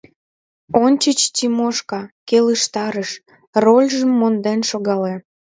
Ончыч Тимошка «келыштарыш»: рольжым монден шогале.